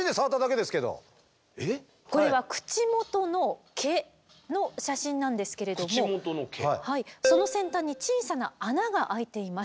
これは口元の毛の写真なんですけれどもその先端に小さな穴が開いています。